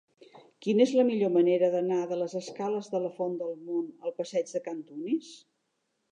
Quina és la millor manera d'anar de les escales de la Font del Mont al passeig de Cantunis?